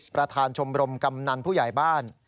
ประธานชมรมกำนันผู้ใหญ่บ้าน